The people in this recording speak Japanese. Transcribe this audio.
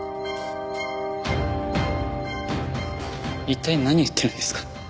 一体何言ってるんですか？